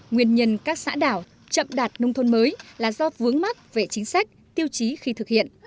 nguyên nhân các xã đảo chậm đạt nông thôn mới là do vướng mắc về chính sách tiêu chí khi thực hiện